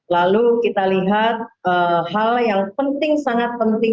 lalu kita lihat hal yang penting sangat penting